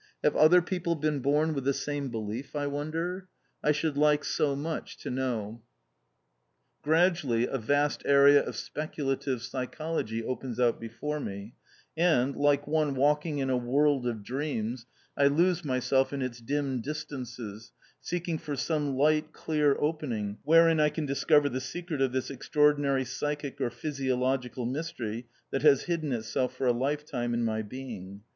Have other people been born with the same belief, I wonder? I should like so much to know. Gradually a vast area of speculative psychology opens out before me, and, like one walking in a world of dreams, I lose myself in its dim distances, seeking for some light, clear opening, wherein I can discover the secret of this extraordinary psychic or physiological mystery, that has hidden itself for a lifetime in my being.